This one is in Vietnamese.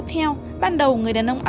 cháu không mang giấy tờ đi